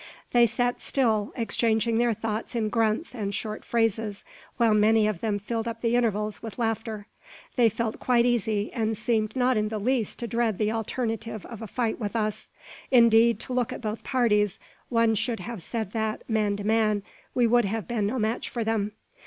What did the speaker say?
They sat still, exchanging their thoughts in grunts and short phrases, while many of them filled up the intervals with laughter. They felt quite easy, and seemed not in the least to dread the alternative of a fight with us. Indeed, to look at both parties, one should have said that, man to man, we would have been no match for them.